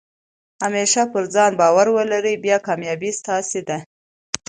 همېشه پر ځان بارو ولرئ، بیا کامیابي ستاسي ده.